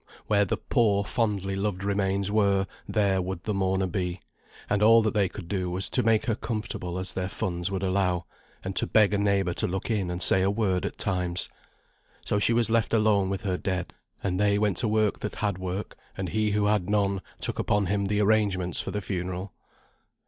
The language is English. where the poor, fondly loved remains were, there would the mourner be; and all that they could do was to make her as comfortable as their funds would allow, and to beg a neighbour to look in and say a word at times. So she was left alone with her dead, and they went to work that had work, and he who had none, took upon him the arrangements for the funeral.